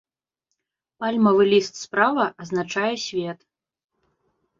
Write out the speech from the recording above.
Пальмавы ліст справа азначае свет.